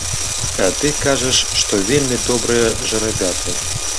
А ты кажаш, што вельмі добрыя жарабяты.